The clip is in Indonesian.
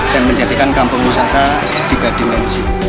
dan menjadikan kampung wisata tiga dimensi